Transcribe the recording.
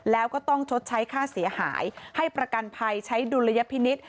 แล้วก็ต้องชดใช้ค่าเสียหายให้ประกันภัยใช้ดุลยพินิษฐ์